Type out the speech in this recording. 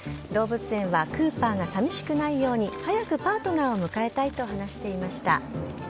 動物園はクーパーがさみしくないように早くパートナーを迎えたいと話していました。